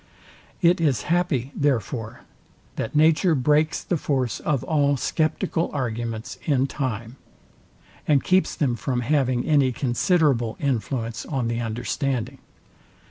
It is happy, therefore, that nature breaks the force of all sceptical arguments in time, and keeps them from having any considerable influence on the understanding.